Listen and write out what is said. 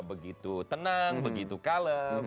begitu tenang begitu kalem